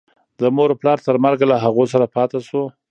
د مور و پلار تر مرګه له هغو سره پاتې شو.